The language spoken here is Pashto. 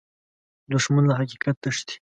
دښمن له حقیقت تښتي